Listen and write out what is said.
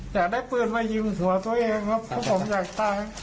อยากได้ปืนมายิงสวนตัวเองครับเพราะผมอยากตาย